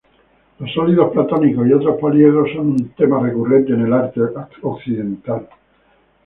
Los sólidos platónicos y otros poliedros son un tema recurrente en el arte occidental.